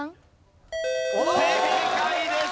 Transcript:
正解です！